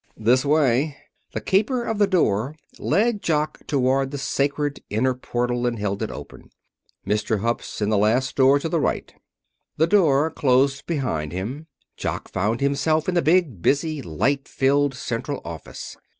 "This way." The keeper of the door led Jock toward the sacred inner portal and held it open. "Mr. Hupp's is the last door to the right." The door closed behind him. Jock found himself in the big, busy, light flooded central office.